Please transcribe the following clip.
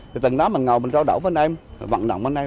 thì từng đó mà ngồi mình trao đổ với anh em vận động với anh em